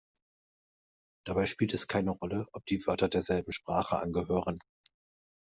Dabei spielt es keine Rolle, ob die Wörter derselben Sprache angehören.